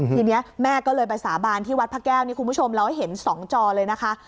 ทีนี้แม่ก็เลยไปสาบานที่วัดพระแก้วนี่คุณผู้ชมเราให้เห็น๒จอเลยนะคะ